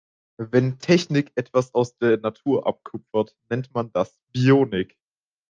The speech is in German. Wenn Technik etwas aus der Natur abkupfert, nennt man das Bionik.